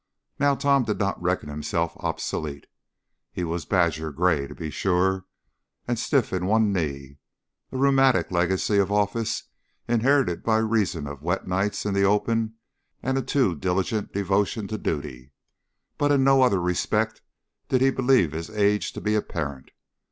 Now Tom did not reckon himself obsolete. He was badger gray, to be sure, and stiff in one knee a rheumatic legacy of office inherited by reason of wet nights in the open and a too diligent devotion to duty but in no other respect did he believe his age to be apparent.